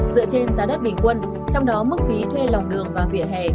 dựa trên giá đất bình quân trong đó mức phí thuê lòng đường và vỉa hè